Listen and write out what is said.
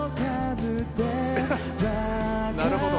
なるほど。